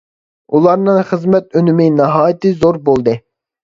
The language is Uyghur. ئۇلارنىڭ خىزمەت ئۈنۈمى ناھايىتى زور بولدى.